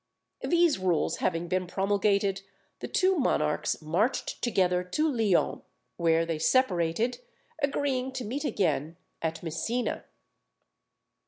These rules having been promulgated, the two monarchs marched together to Lyons, where they separated, agreeing to meet again at Messina.